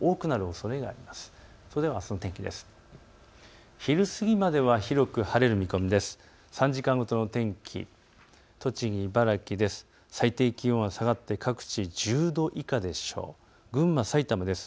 それではあすの天気です。